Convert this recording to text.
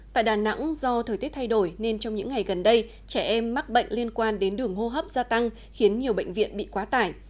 tại đà nẵng do thời tiết thay đổi nên trong những ngày gần đây trẻ em mắc bệnh liên quan đến đường hô hấp gia tăng khiến nhiều bệnh viện bị quá tải